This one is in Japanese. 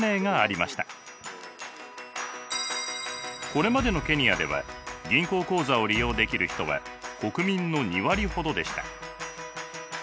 これまでのケニアでは銀行口座を利用できる人は国民の２割ほどでした。